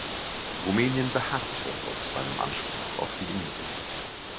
Rumänien beharrte auf seinem Anspruch auf die Insel.